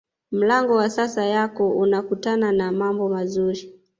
mlango wa sasa yako unakutana na mambo mazuri